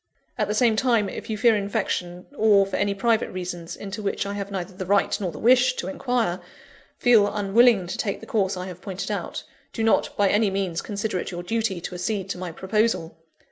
At the same time, if you fear infection, or for any private reasons (into which I have neither the right nor the wish to inquire) feel unwilling to take the course I have pointed out, do not by any means consider it your duty to accede to my proposal.